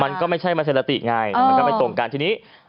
มันก็ไม่ใช่มาเซ็นละติไงมันก็ไม่ตรงกันทีนี้